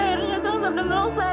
akhirnya kang sabda melukis saya